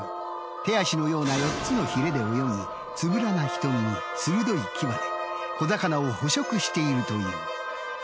手足のような４つのヒレで泳ぎつぶらな瞳に鋭い牙で小魚を捕食しているという。